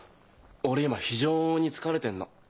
俺今非常に疲れてんの。